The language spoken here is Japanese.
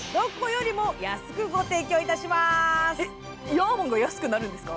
ヤーマンが安くなるんですか？